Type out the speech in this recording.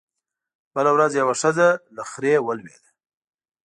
بله ورځ يوه ښځه له خرې ولوېده